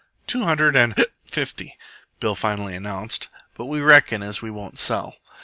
"Two hundred and hic! fifty," Bill finally announced, "but we reckon as we won't sell."